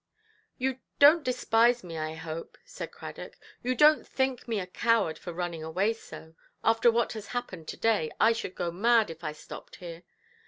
"You donʼt despise me, I hope"? said Cradock; "you donʼt think me a coward for running away so? After what has happened to–day, I should go mad, if I stopped here.